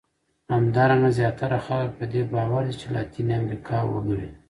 همدارنګه زیاتره خلک په دې باور دي چې لاتیني امریکا وګړي.